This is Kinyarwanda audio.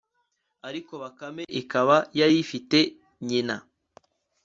ariko bakame ikaba yari ifite nyina